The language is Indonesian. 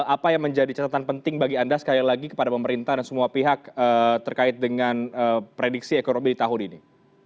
apa yang menjadi catatan penting bagi anda sekali lagi kepada pemerintah dan semua pihak terkait dengan prediksi ekonomi di tahun ini